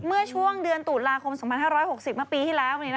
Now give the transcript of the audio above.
เมื่อช่วงเดือนตุลาคม๒๕๖๐เมื่อปีที่แล้ว